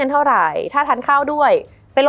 มันทำให้ชีวิตผู้มันไปไม่รอด